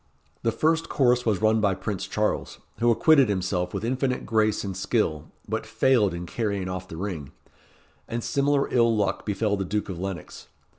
The first course was run by Prince Charles, who acquitted himself with infinite grace and skill, but failed in carrying off the ring; and similar ill luck befell the Duke of Lennox.